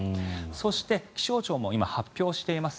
そして、気象庁も今、発表しています